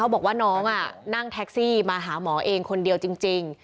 บอกว่าน้องนั่งแท็กซี่มาหาหมอเองคนเดียวจริง